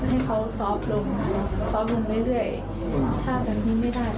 ให้เขาซอฟต์ลงซอฟต์ลงเรื่อยถ้าแบบนี้ไม่ได้